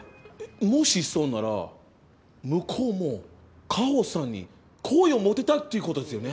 もしそうなら向こうも果帆さんに好意を持ってたっていうことですよね？